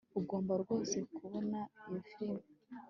ugomba rwose kubona iyo firime